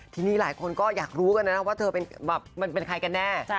ทีนี้หลายคนก็อยากรู้กันนะว่าเธอมันเป็นใครกันแน่